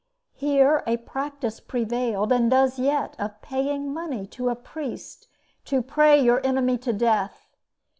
Here a practice prevailed, and does yet, of paying money to a priest to pray your enemy to death.